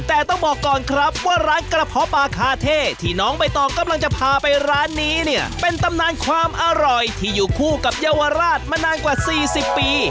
แต่ต้องบอกก่อนครับว่าร้านกระเพาะปลาคาเท่ที่น้องใบตองกำลังจะพาไปร้านนี้เนี่ยเป็นตำนานความอร่อยที่อยู่คู่กับเยาวราชมานานกว่าสี่สิบปี